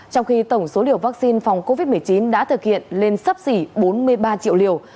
trong khi tổng số liều vaccine phòng covid một mươi chín đã thực hiện lên sấp xỉ bốn mươi ba triệu liều